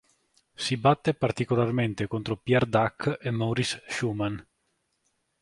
Si batte particolarmente contro Pierre Dac e Maurice Schumann.